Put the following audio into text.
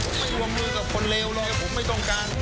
ผมไม่รวมมือกับคนเลวเลยผมไม่ต้องการ